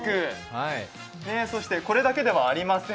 そして、これだけではありません。